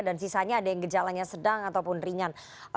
dan sisanya ada yang gejalanya sedang ataupun ringan